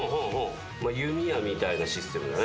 弓矢みたいなシステムだね。